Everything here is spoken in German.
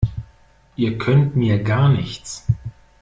Ihr könnt mir gar nichts!